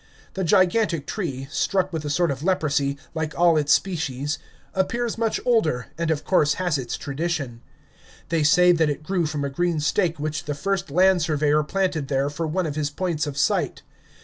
The gigantic tree, struck with a sort of leprosy, like all its species, appears much older, and of course has its tradition. They say that it grew from a green stake which the first land surveyor planted there for one of his points of sight.